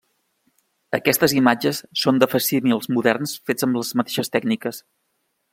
Aquestes imatges són de facsímils moderns fets amb les mateixes tècniques.